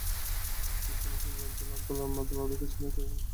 Cristiano কিংবা Bale বলে আলাদা কিছু নয়, নাম থাকবে একটিই—রিয়াল মাদ্রিদ।